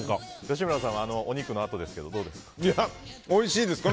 吉村さんはお肉のあとですけどどうですか？